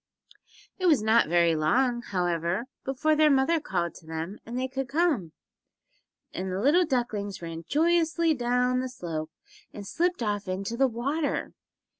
It was not very long, however, before their mother called to them that they could come, and the little ducklings ran joyously down the slope and slipped off into the water.